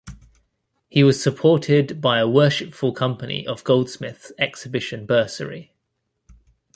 He was supported by a Worshipful Company of Goldsmiths exhibition bursary.